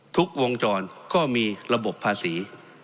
ทุกวงจรก็มีระบบภาษี